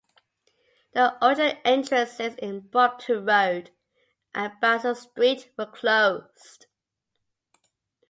The original entrances in Brompton Road and Basil Street were closed.